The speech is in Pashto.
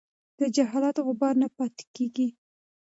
د جهالت غبار نه پاتې کېږي.